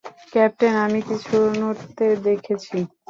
Captain, আমি কিছু নড়তে দেখেছি।